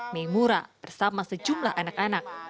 meimura bersama sejumlah anak anak